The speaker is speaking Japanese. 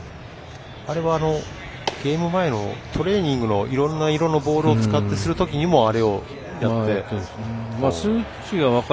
あれはゲーム前のトレーニングのいろんな色のボールを使ってするときにもあれをやっていますね。